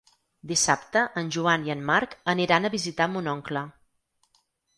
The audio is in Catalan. Dissabte en Joan i en Marc aniran a visitar mon oncle.